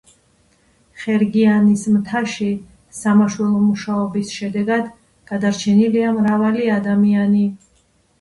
ხერგიანის მთაში სამაშველო მუშაობის შედეგად გადარჩენილია მრავალი ადამიანი.